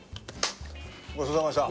ごちそうさまでした！